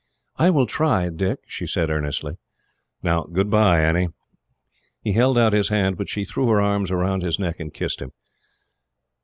"I will try, Dick," she said earnestly. "Now, goodbye, Annie." He held out his hand, but she threw her arms round his neck, and kissed him.